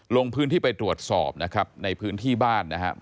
ลงพื้นที่ไปตรวจสอบนะครับในพื้นที่บ้านนะครับ